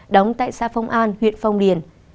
đóng tại xã phong an huyện phong điền